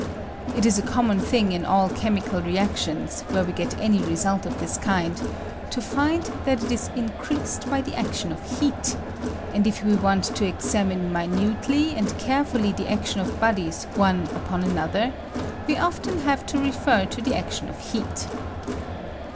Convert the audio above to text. It is a com mon thing in all chemical reactions, where we get any result of this kind, to find that it is in creased by the action of heat ; and if we want to examine minutely and carefully the action of bodies one upon another, we often have to refer to the action of heat.